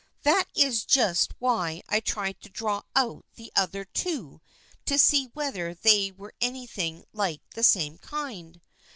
That is just why I tried to draw out the other two to see whether they were anything like the same kind."